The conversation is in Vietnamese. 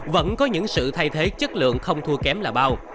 vẫn có những sự thay thế chất lượng không thua kém là bao